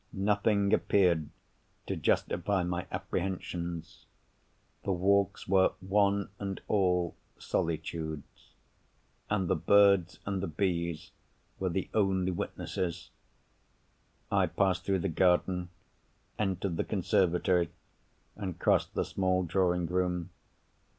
Nothing appeared, to justify my apprehensions. The walks were, one and all, solitudes; and the birds and the bees were the only witnesses. I passed through the garden; entered the conservatory; and crossed the small drawing room.